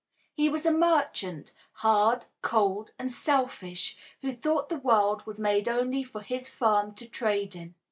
He was a merchant, hard, cold and selfish, who thought the world was made only for his firm to trade in.